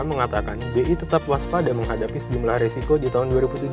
mengatakan bi tetap waspada menghadapi sejumlah resiko di tahun dua ribu tujuh belas